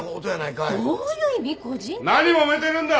何もめてるんだ！？